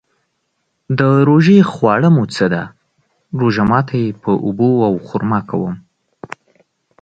د روژې خواړه مو څه ده؟ روژه ماتی په اوبو او خرما کوم